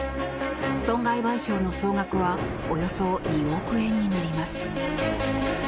損害賠償の総額はおよそ２億円になります。